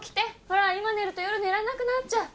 ほら今寝ると夜寝られなくなっちゃう。